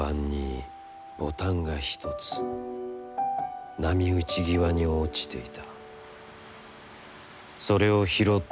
月夜の晩に、ボタンが一つ波打際に、落ちていた。